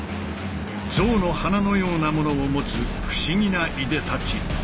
ゾウの鼻のようなものを持つ不思議ないでたち。